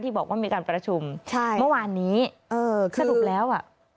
บอกว่ามีการประชุมใช่เมื่อวานนี้เออสรุปแล้วอ่ะ